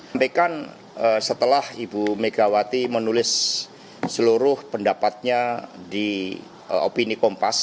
sampaikan setelah ibu megawati menulis seluruh pendapatnya di opini kompas